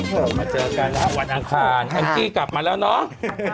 โอเคมาเจอกันแล้ววันนั้นค่ะแอมจี้กลับมาแล้วน้อง